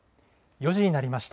４時になりました。